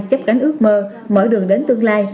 chấp cánh ước mơ mở đường đến tương lai